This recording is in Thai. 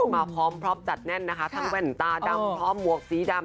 มาพร้อมพร้อมจัดแน่นนะคะทั้งแว่นตาดำพร้อมหมวกสีดำ